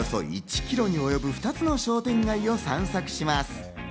およそ１ｋｍにおよぶ２つの商店街を散策します。